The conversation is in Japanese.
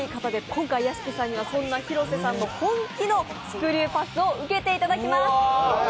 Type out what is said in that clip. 今回、屋敷さんにはそんな廣瀬さんのスクリューパスを受けてもらいます。